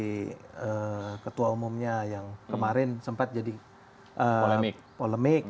dari ketua umumnya yang kemarin sempat jadi polemik